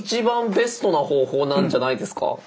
ベストな方法なんじゃないですか？